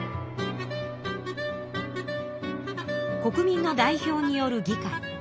国民の代表による議会